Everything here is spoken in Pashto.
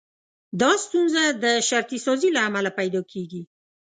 دا ستونزه د شرطي سازي له امله پيدا کېږي.